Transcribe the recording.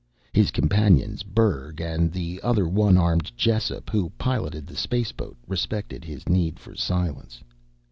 His companions Berg and the one armed Jessup, who piloted the spaceboat respected his need for silence.